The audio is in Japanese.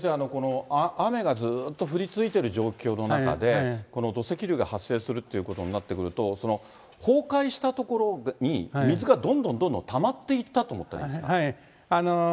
雨がずーっと降り続いている状況の中で、この土石流が発生するということになってくると、崩壊した所に、水がどんどんどんどんたまっていったと思ったらいいんですか。